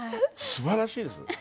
すばらしいです